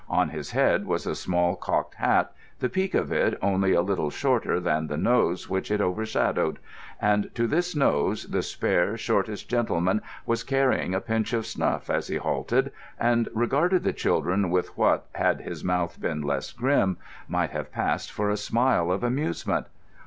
On his head was a small cocked hat, the peak of it only a little shorter than the nose which it overshadowed; and to this nose the spare shortish gentleman was carrying a pinch of snuff as he halted and regarded the children with what, had his mouth been less grim, might have passed for a smile of amusement.